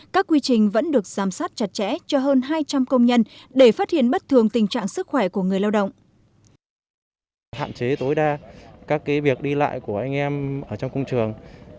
các quy trình vẫn được giám sát chặt chẽ cho hơn hai trăm linh công nhân để phát hiện bất thường tình trạng sức khỏe của người lao động